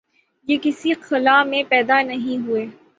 یہ کسی خلا میں پیدا نہیں ہوئے۔